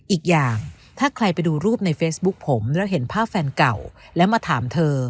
อีกอย่างถ้าใครไปดูรูปในเฟซบุ๊คผมแล้วเห็นภาพแฟนเก่าแล้วมาถามเธอ